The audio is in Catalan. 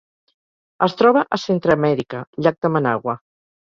Es troba a Centreamèrica: llac de Managua.